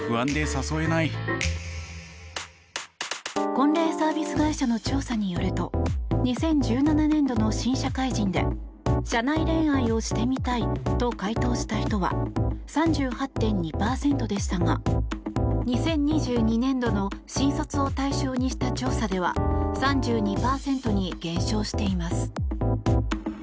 婚礼サービス会社の調査によると２０１７年度の新社会人で社内恋愛をしてみたいと回答した人は３８．２％でしたが２０２２年度の新卒を対象にした調査では３２％に減少しています。